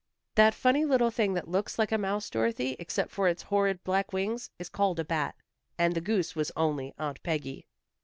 "That funny little thing that looks like a mouse, Dorothy, except for its horrid black wings, is called a bat. And the goose was only Aunt Peggy."